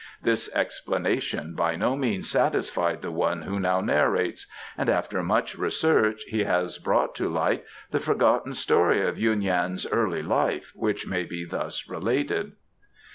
This explanation by no means satisfied the one who now narrates, and after much research he has brought to light the forgotten story of Yuen Yan's early life, which may be thus related.